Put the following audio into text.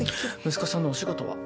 息子さんのお仕事は？